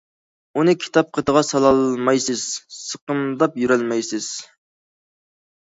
ئۇنى كىتاب قېتىغا سالالمايسىز، سىقىمداپ يۈرەلمەيسىز.